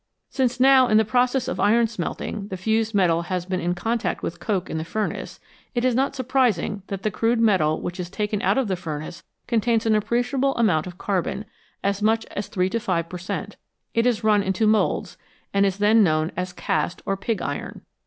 Since now in the process of iron smelting the fused metal has been in contact with coke in the furnace, it is not surprising that the crude metal which is taken out of the furnace contains an appreciable amount of carbon, as much as 3 to 5 per cent. ; it is run into moulds, and is then known as cast or pig iron.